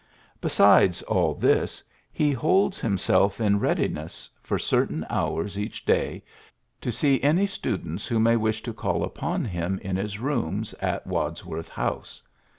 Besides all this, he holds himself in readiness, for certain hours each day, Cv 78 PHILLIPS BEOOKS to see any students who may wish to call upon him in his rooms at Wadsworth House.